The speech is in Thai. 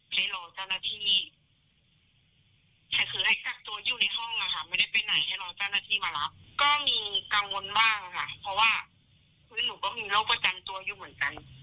เพราะว่าคือหนูก็มีโรคประจำตัวอยู่เหมือนกัน